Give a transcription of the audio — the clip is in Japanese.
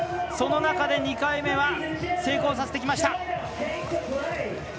その中で、２回目は成功させてきました！